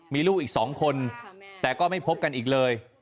มีลูกอีก๒คนแต่ก็ไม่พบกันอีกเลย